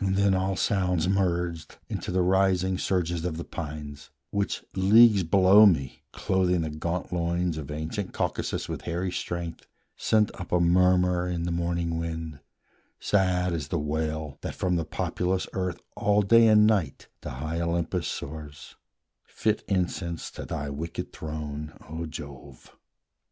Then all sounds merged Into the rising surges of the pines, Which, leagues below me, clothing the gaunt loins Of ancient Caucasus with hairy strength, Sent up a murmur in the morning wind, Sad as the wail that from the populous earth All day and night to high Olympus soars, Fit incense to thy wicked throne, O Jove!